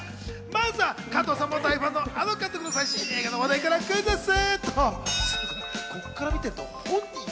まずは加藤さんも大ファンのあの方の最新の話題からクイズッス。